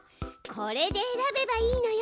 これで選べばいいのよ。